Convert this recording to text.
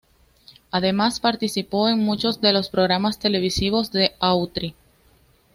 Además participó en muchos de los programas televisivos de Autry.